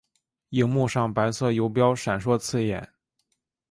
萤幕上白色游标闪烁刺眼